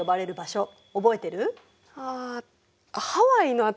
あハワイの辺り？